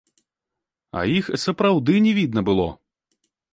А іх сапраўды не відна было.